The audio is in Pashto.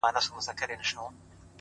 چي خپلي سپيني او رڼې اوښـكي يې ـ